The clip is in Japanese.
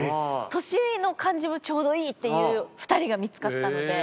年の感じもちょうどいいっていう２人が見つかったので。